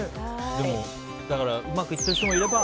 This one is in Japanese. うまくいってる人もいれば